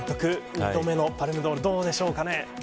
２度目のパルムドールどうでしょうかね。